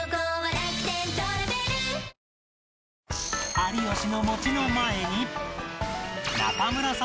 有吉の餅の前に